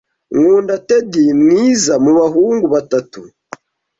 Nkunda Ted mwiza mubahungu batatu.